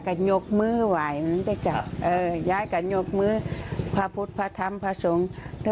บ่อยพูดให้เค้าฟัง